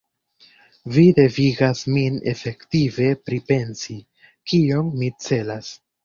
Vi devigas min efektive pripensi, kion mi celas.